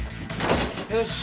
よし。